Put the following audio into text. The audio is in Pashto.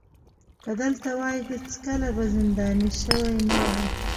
که دلته وای هېڅکله به زنداني شوی نه وای.